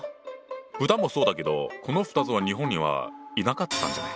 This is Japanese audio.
豚もそうだけどこの２つは日本にはいなかったんじゃない？